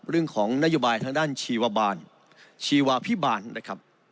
เรื่องของนโยบายทางด้านชีวบาลชีวาพิบาลนะครับ